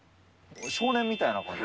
少年みたいな感じ。